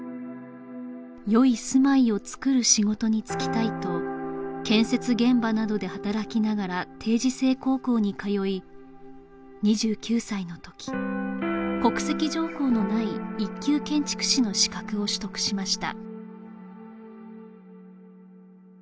よい住まいをつくる仕事に就きたいと建設現場などで働きながら定時制高校に通い２９歳の時国籍条項のない一級建築士の資格を取得しました